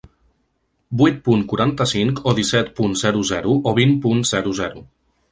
Vuit punt quaranta-cinc o disset punt zero zero o vint punt zero zero.